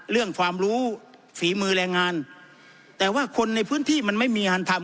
ความรู้ฝีมือแรงงานแต่ว่าคนในพื้นที่มันไม่มีงานทำ